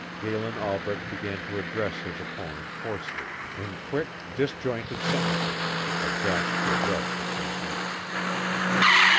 Galen Albret began to address his opponent hoarsely in quick, disjointed sentences, a gasp for breath between each.